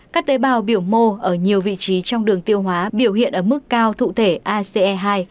các tế bào biểu mô ở nhiều vị trí trong đường tiêu hóa biểu hiện ở mức cao cụ thể ace hai